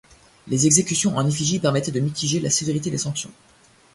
Les exécutions en effigie permettaient de mitiger la sévérité des sanctions.